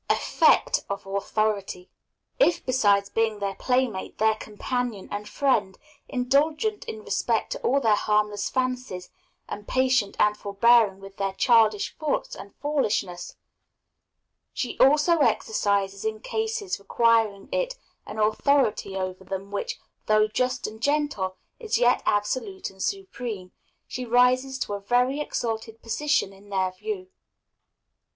Effect of Authority. If, besides being their playmate, their companion, and friend, indulgent in respect to all their harmless fancies, and patient and forbearing with their childish faults and foolishness, she also exercises in cases requiring it an authority over them which, though just and gentle, is yet absolute and supreme, she rises to a very exalted position in their view.